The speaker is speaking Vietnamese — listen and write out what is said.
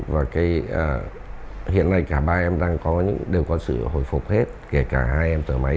và hiện nay cả ba em đang có những điều có sự hồi phục hết kể cả hai em thở máy